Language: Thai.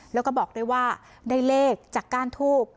แล้วก็บอกด้วยว่าได้เลขจากก้านทูบ